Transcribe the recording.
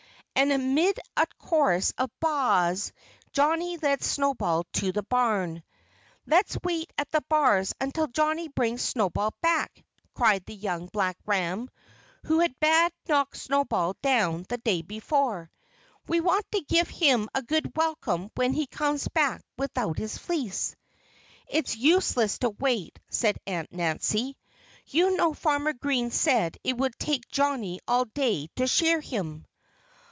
And amid a chorus of baas Johnnie led Snowball to the barn. "Let's wait at the bars until Johnnie brings Snowball back!" cried the young black ram, who bad knocked Snowball down the day before. "We want to give him a good welcome when he comes back without his fleece." "It's useless to wait," said Aunt Nancy. "You know Farmer Green said it would take Johnnie all day to shear him."